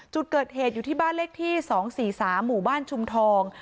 จุดเกิดเหตุอยู่ที่บ้านเลขที่๒๔๓หมู่บ้านชุมทอง